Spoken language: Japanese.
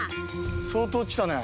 相当来たね。